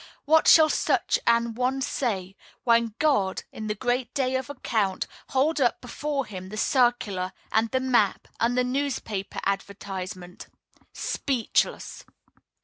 What shall such an one say, when God shall, in the great day of account, hold up before him the circular, and the map, and the newspaper advertisement? Speechless!